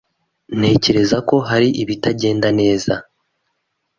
Ntekereza ko hari ibitagenda neza.